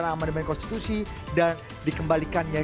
gak tau saya